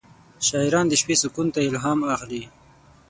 شاعران د شپې سکون ته الهام اخلي.